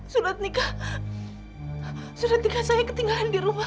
sudah nikah sudah tinggal saya ketinggalan di rumah